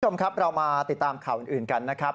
คุณผู้ชมครับเรามาติดตามข่าวอื่นกันนะครับ